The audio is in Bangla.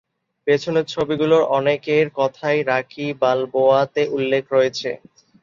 পেছনের ছবিগুলোর অনেকের কথাই "রকি বালবোয়া"তে উল্লেখ রয়েছে।